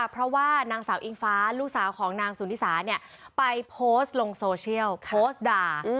ไปโพสต์ลงโซเชียลโพสต์ด่า